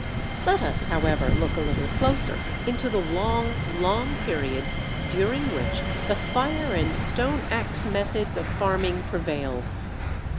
Let us however look a little closer into the long, long period during which the "fire and stone axe methods" of farming prevailed.